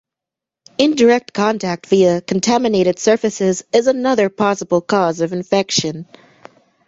Indirect contact via contaminated surfaces is another possible cause of infection.